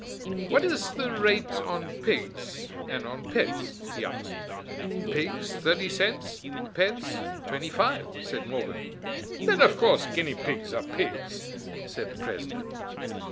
"What is the rate on pigs and on pets?" he asked. "Pigs thirty cents, pets twenty five," said Morgan. "Then of course guinea pigs are pigs," said the president.